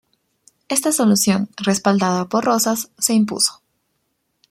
Esta solución, respaldada por Rosas, se impuso.